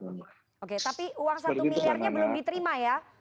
oke tapi uang satu miliarnya belum diterima ya